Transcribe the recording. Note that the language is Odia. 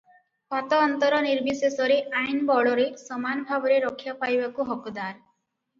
ପାତଅନ୍ତର ନିର୍ବିଶେଷରେ ଆଇନ ବଳରେ ସମାନ ଭାବରେ ରକ୍ଷା ପାଇବାକୁ ହକଦାର ।